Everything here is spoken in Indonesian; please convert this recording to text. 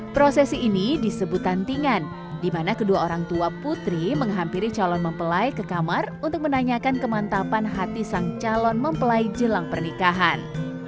prosesi ini disebut tantingan di mana kedua orang tua putri menghampiri calon mempelai ke kamar untuk menanyakan kemantapan hati sang calon mempelai jelang pernikahan